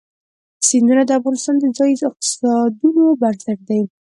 سیندونه د افغانستان د ځایي اقتصادونو بنسټ دی.